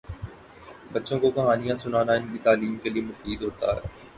بچوں کو کہانیاں سنانا ان کی تعلیم کے لئے مفید ہوتا ہے۔